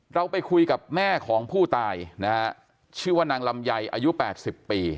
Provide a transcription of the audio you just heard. เราไปคุยกับแม่ของผู้ตายนะฮะชื่อว่านางลำไยอายุ๘๐ปี